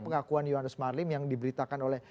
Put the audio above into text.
pengakuan yohannes marlim yang diberitakan oleh